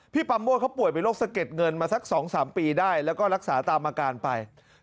ปาโมดเขาป่วยเป็นโรคสะเก็ดเงินมาสัก๒๓ปีได้แล้วก็รักษาตามอาการไป